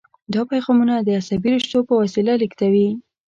دا پیغامونه د عصبي رشتو په وسیله لیږدوي.